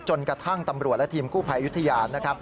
จนกระทั่งตำรวจและทีมกู้ภัยอายุทยานะครับ